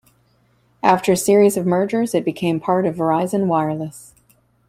After a series of mergers, it became part of Verizon Wireless.